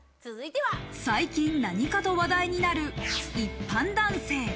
最近、何かと話題になる一般男性。